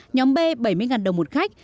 nhóm b bảy mươi đồng một khách